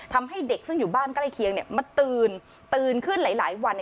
ทำให้เด็กซึ่งอยู่บ้านใกล้เคียงมาตื่นตื่นขึ้นหลายวัน